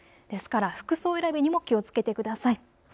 ですから服装選びにも気をつけてください。